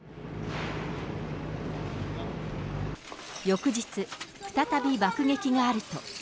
翌日、再び爆撃があると。